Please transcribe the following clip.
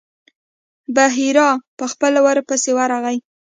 بحیرا په خپله ورپسې ورغی.